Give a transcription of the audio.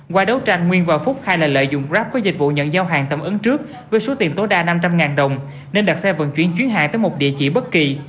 qua đấu tranh nguyên và phúc khai là lợi dụng grab có dịch vụ nhận giao hàng tầm ứng trước với số tiền tối đa năm trăm linh đồng nên đặt xe vận chuyển chuyến hàng tới một địa chỉ bất kỳ